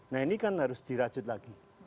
nah ini kan harus dirajut lagi